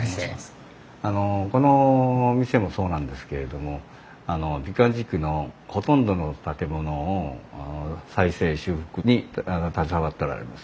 あのこの店もそうなんですけれども美観地区のほとんどの建物の再生・修復に携わっておられます。